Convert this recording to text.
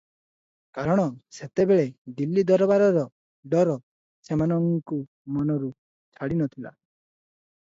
କାରଣ ସେତେବେଳେ ଦିଲ୍ଲୀ ଦରବାରର ଡର ସେମାନଙ୍କୁ ମନରୁ ଛାଡ଼ି ନଥିଲା ।